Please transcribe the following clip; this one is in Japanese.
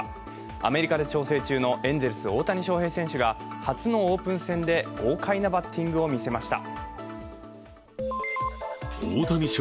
アメリカで調整中のエンゼルス大谷翔平選手が初のオープン戦で豪快なバッティングを見せました。